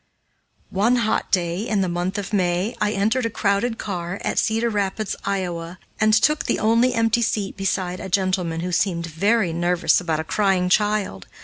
One hot day, in the month of May, I entered a crowded car at Cedar Rapids, Ia., and took the only empty seat beside a gentleman who seemed very nervous about a crying child.